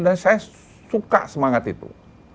dan saya suka semangat itu